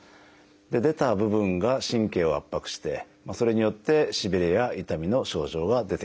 出た部分が神経を圧迫してそれによってしびれや痛みの症状が出てきます。